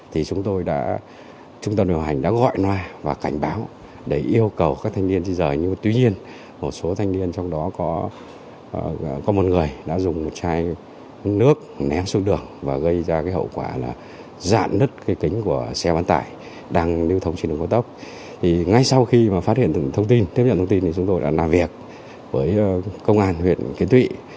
tiếp nhận thông tin chúng tôi đã làm việc với công an huyện kiến thụy